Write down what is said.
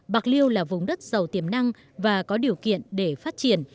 bạc liêu là vùng đất giàu tiềm năng và có điều kiện để phát triển